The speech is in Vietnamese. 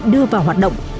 đưa vào hoạt động